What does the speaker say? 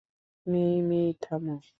মেই-মেই, থামো!